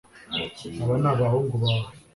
aba ni abahungu bawe